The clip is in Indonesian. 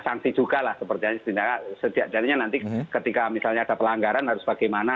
sanksi juga lah sepertinya setidaknya nanti ketika misalnya ada pelanggaran harus bagaimana